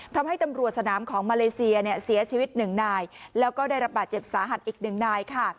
ทำให้ตำรวจสนามของมาเลเซียเสียชีวิต๑นายแล้วก็ได้ระบาดเจ็บสาหัสอีก๑นาย